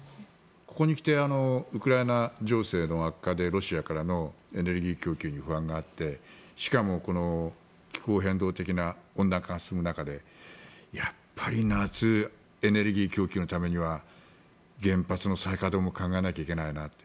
ここに来てウクライナ情勢の悪化でロシアからのエネルギー供給に不安があってしかも、気候変動的な温暖化が進む中でやっぱり夏エネルギー供給のためには原発の再稼働も考えなきゃいけないなと。